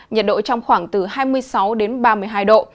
nhiệt độ trong khoảng từ hai mươi sáu đến ba mươi hai độ